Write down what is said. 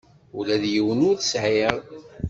Ula d yiwen ur t-sɛiɣ.